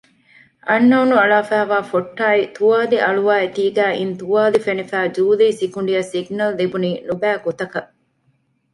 އަންނައުނު އަޅާފައިވާ ފޮއްޓާއި ތުވާލި އަޅުވާ އެތީގައި އިން ތުވާލި ފެނިފައި ޖޫލީގެ ސިކުނޑިއަށް ސިގްނަލް ލިބުނީ ނުބައިގޮތަކަށް